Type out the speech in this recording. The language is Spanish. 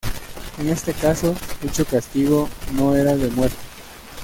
En este caso, dicho castigo no era de muerte.